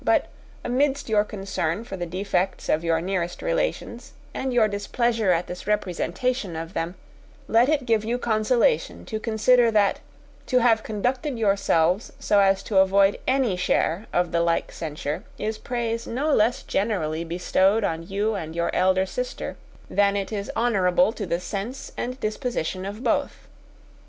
But amidst your concern for the defects of your nearest relations, and your displeasure at this representation of them, let it give you consolation to consider that to have conducted yourselves so as to avoid any share of the like censure is praise no less generally bestowed on you and your eldest sister than it is honourable to the sense and disposition of both.